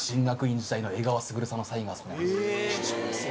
貴重ですよ